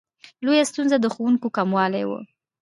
لویه ستونزه د ښوونکو کموالی و.